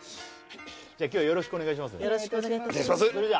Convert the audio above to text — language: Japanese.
今日はよろしくお願いしますね